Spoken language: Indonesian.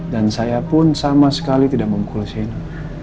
dan saya pun sama sekali tidak membukul sienna